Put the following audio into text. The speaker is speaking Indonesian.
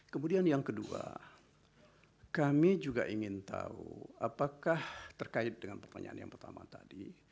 kemudian yang kedua kami juga ingin tahu apakah terkait dengan pertanyaan yang pertama tadi